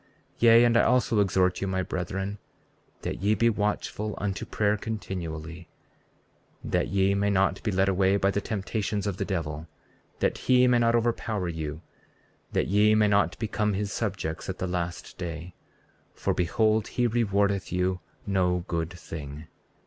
34:39 Yea, and I also exhort you, my brethren, that ye be watchful unto prayer continually, that ye may not be led away by the temptations of the devil, that he may not overpower you, that ye may not become his subjects at the last day; for behold, he rewardeth you no good thing.